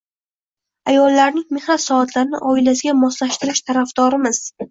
Ayollarning mehnat soatlarini oilasiga moslashtirish tarafdorimiz